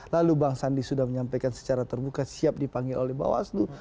lalu bang sandi sudah menyampaikan secara terbuka siap dipanggil oleh bawaslu